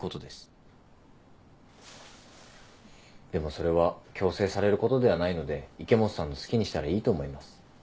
でもそれは強制されることではないので池本さんの好きにしたらいいと思います。